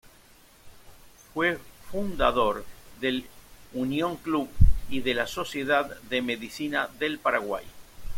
Fue fundador del Unión Club y de la Sociedad de Medicina del Paraguay.